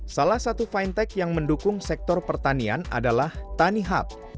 salah satu fintech yang mendukung sektor pertanian adalah tanihub